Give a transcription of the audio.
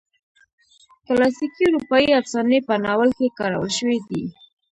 کلاسیکي اروپایي افسانې په ناول کې کارول شوي دي.